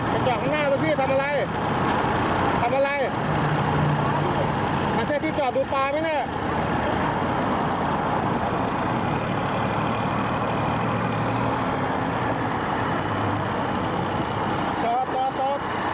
กุลีไฟฟ้ายิด